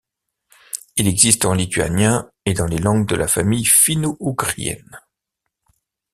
Il existe en lituanien et dans les langues de la famille finno-ougrienne.